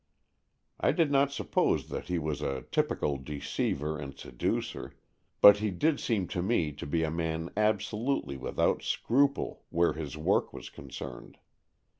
I did not suppose that he was a typical deceiver and seducer, but he did seem to me to be a man absolutely with out scruple where his work was concerned.